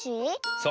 そう。